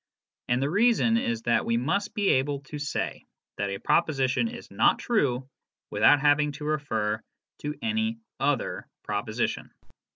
And the reason is that we must be able to say that a proposition is not true without having to refer to any other proposition.